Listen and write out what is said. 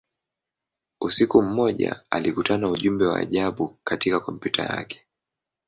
Usiku mmoja, alikutana ujumbe wa ajabu katika kompyuta yake.